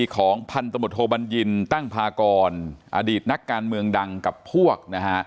ของพันธมตโทบัญญินตั้งพากรอดีตนักการเมืองดังกับพวกนะฮะ